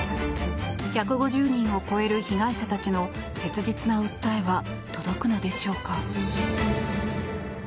１５０人を超える被害者たちの切実な訴えは届くのでしょうか。